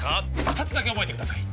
二つだけ覚えてください